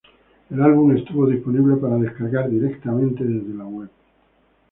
El álbum estuvo disponible para descargar directamente desde la web.